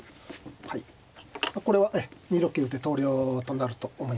はいこれはええ２六桂打って投了となると思います。